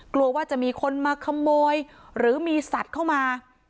กลัวว่าจะมีคนมาขโมยหรือมีสัตว์เข้ามา